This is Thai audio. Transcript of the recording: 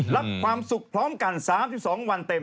รับความสุขพร้อมกัน๓๒วันเต็ม